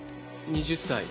２０歳。